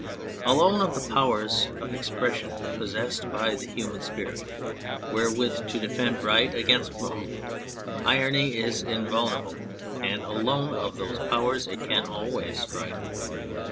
Alone of the powers of expression possessed by the human spirit wherewith to defend right against wrong, irony is invulnerable, and alone of those powers it can always strike.